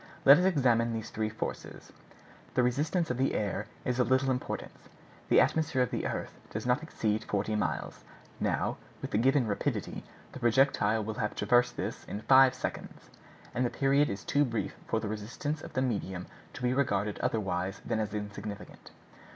Let us examine these three forces. The resistance of the air is of little importance. The atmosphere of the earth does not exceed forty miles. Now, with the given rapidity, the projectile will have traversed this in five seconds, and the period is too brief for the resistance of the medium to be regarded otherwise than as insignificant.